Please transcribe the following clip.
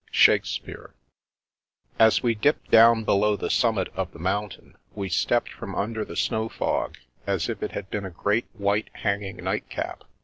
^ As we dipped down below the summit of the mountain, we stepped from under the snow fog, as if it had been a great white, hanging nightcap.